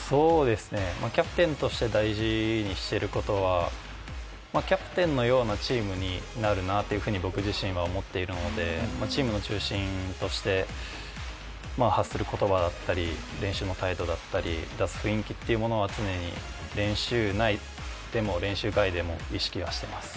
キャプテンとして大事にしてることは、キャプテンのようなチームになるなと僕自身は思っているので、チームの中心として発する言葉だったり、練習の態度だったり、出す雰囲気というのは常に練習内でも練習外でも意識はしてます。